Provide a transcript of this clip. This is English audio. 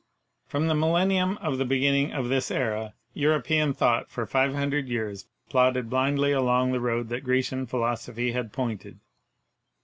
From the millennium of the beginning of this era Euro pean thought for 500 years plodded blindly along the road that Grecian philosophy had pointed.